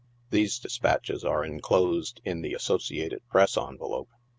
These de spatches are enclosed in the Associated Press envelope.